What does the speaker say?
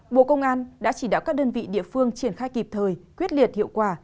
bộ công an đã chỉ đạo các đơn vị địa phương triển khai kịp thời quyết liệt hiệu quả